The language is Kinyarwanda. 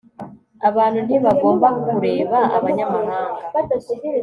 abantu ntibagomba kureba abanyamahanga